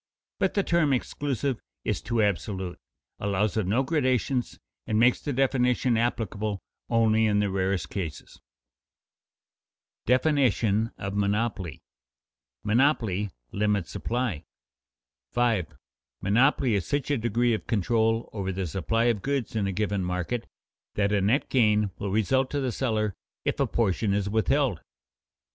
But the term "exclusive" is too absolute, allows of no gradations, and makes the definition applicable only in the rarest cases. [Sidenote: Definition of monopoly] [Sidenote: Monopoly limits supply] 5. _Monopoly is such a degree of control over the supply of goods in a given market that a net gain will result to the seller if a portion is withheld.